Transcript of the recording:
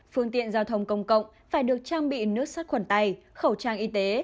phương tiện giao thông công cộng phải được trang bị nước sát khuẩn tay khẩu trang y tế